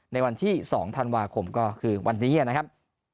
ในวันที่๒ธันวาคมก็คือวันนี้นะครับ